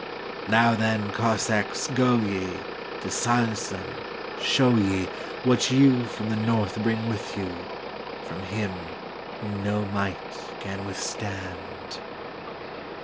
Now, then, Cossacks, go ye, To silence them, show yeWhat you from the north bring with you, From Him whom no might can withstand!"